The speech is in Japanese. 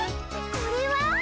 これは？」。